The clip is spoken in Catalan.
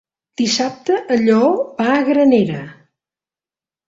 Dissabte en Lleó va a Granera.